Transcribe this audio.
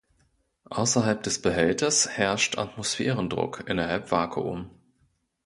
Außerhalb des Behälters herrscht Atmosphärendruck, innerhalb Vakuum.